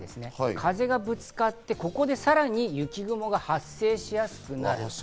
風がぶつかって、さらにここで雪雲が発生しやすくなる。